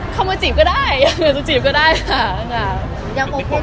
เขามาจีบก็ได้อย่างเหมือนจะจีบก็ได้ค่ะ